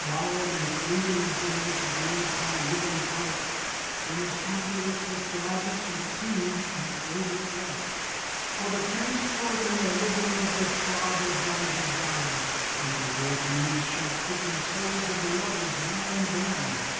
Wild and fleeting as the notes Blown upon a woodland pipe, 30 They must haunt the earth with gladness And a tinge of old regret. For the transport in their rhythm Was the throb of thy desire, And thy lyric moods shall quicken 35 Souls of lovers yet unborn.